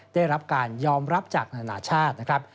ได้รับการยอมรับจากนานาชาตินะครับ